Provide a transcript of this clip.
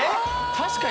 確かに。